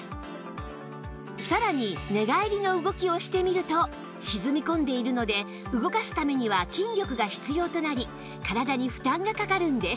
さらに寝返りの動きをしてみると沈み込んでいるので動かすためには筋力が必要となり体に負担がかかるんです